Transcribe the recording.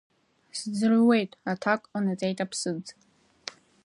Сӡырҩуеит, аҭак ҟанаҵеит аԥсыӡ.